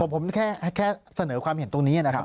ผมแค่เสนอความเห็นตรงนี้นะครับ